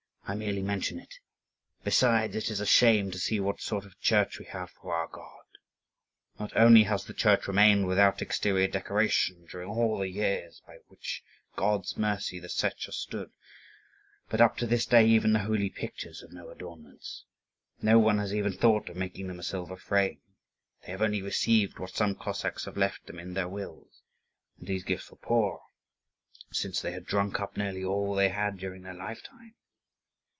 I merely mention it. Besides, it is a shame to see what sort of church we have for our God. Not only has the church remained without exterior decoration during all the years which by God's mercy the Setch has stood, but up to this day even the holy pictures have no adornments. No one has even thought of making them a silver frame; they have only received what some Cossacks have left them in their wills; and these gifts were poor, since they had drunk up nearly all they had during their lifetime.